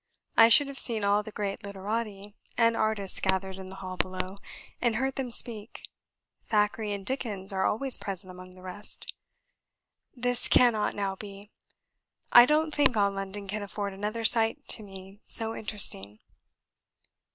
I should have seen all the great literati and artists gathered in the hall below, and heard them speak; Thackeray and Dickens are always present among the rest. This cannot now be. I don't think all London can afford another sight to me so interesting."